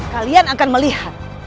kalian akan melihat